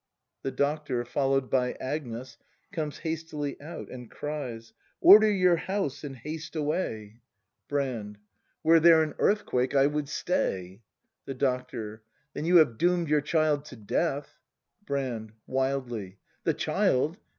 The Doctor, [Followed by Agnes, comes hastily out, and cries.] Order your house and haste away! 140 BRAND [ACT in Brand. Were there an earthquake I would stay! The Doctor. Then you have doom'd your child to death. Brand. [Wildly.] The child!